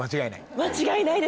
間違いないですね。